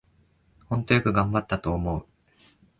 ほんとよく頑張ったと思う